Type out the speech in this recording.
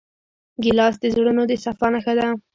ګیلاس د زړونو د صفا نښه ده.